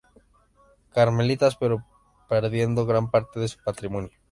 Carmelitas, pero perdiendo gran parte de su patrimonio.